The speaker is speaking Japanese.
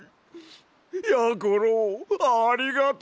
やころありがとな！